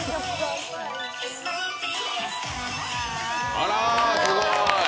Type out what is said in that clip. あら、すごい。